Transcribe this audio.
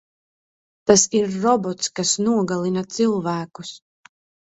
Tas ir robots, kas nogalina cilvēkus.